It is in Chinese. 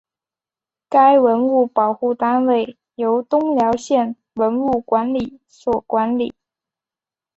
该文物保护单位由东辽县文物管理所管理。